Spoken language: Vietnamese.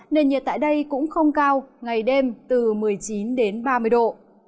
nền nhiệt tại đây cũng không cao ngày đêm từ một mươi chín đến ba mươi độ